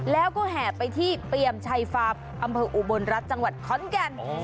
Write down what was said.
แล้วก็แห่ไปที่เปรียมชัยฟาร์มอำเภออุบลรัฐจังหวัดขอนแก่น